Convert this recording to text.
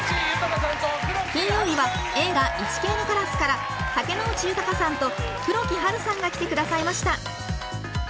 金曜日は映画「イチケイのカラス」から竹野内豊さんと黒木華さんが来てくださいました。